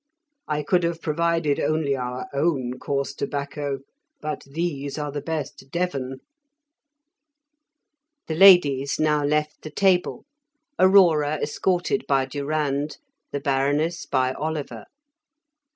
I could have provided only our own coarse tobacco; but these are the best Devon." The ladies now left the table, Aurora escorted by Durand, the Baroness by Oliver.